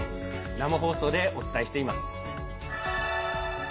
生放送でお伝えしています。